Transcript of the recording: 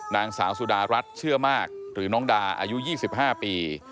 นางสาวสุดารัฐเชื่อมากหรือน้องดาอายุ๒๕ปี